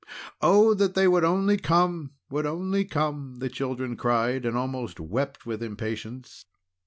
"Oh! that they would only come! would only come!" the children cried, and almost wept with impatience.